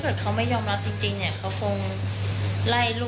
ก็แม่ขอแม่ขอจริงนี่